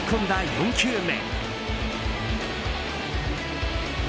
４球目。